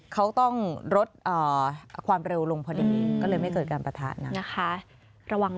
เขาต้องลดความเร็วลงพอดีก็เลยไม่เกิดการประทาน